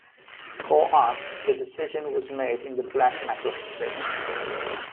For us, the decision was made in the black metal spirit.